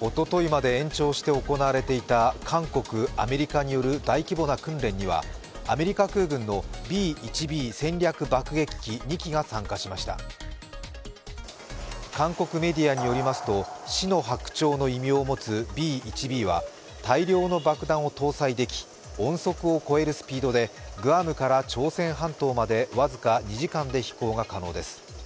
おとといまで延長して行われていた韓国・アメリカ空軍による大規模な訓練には、アメリカ空軍のＢ−１Ｂ戦略爆撃機２機が参加しました韓国メディアによりますと、死の白鳥の異名を持つＢ−１Ｂは、大量の爆弾を搭載でき、音速を超えるスピードでグアムから朝鮮半島まで僅か２時間で飛行が可能です。